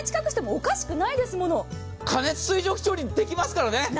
過熱水蒸気調理できますから。